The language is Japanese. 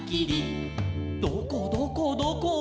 「どこどこどこ？」